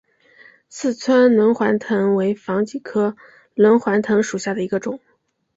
四川轮环藤为防己科轮环藤属下的一个种。